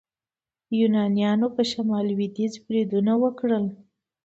یونانیانو په شمال لویدیځ بریدونه وکړل.